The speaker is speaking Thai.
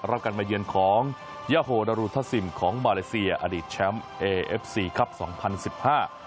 รับการมาเยือนของยาโฮนารูทซิมของมาเลเซียอดีตแชมป์เอเอฟซีครับสองพันสิบห้า